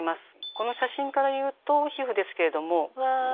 この写真からいうと皮膚ですけれども。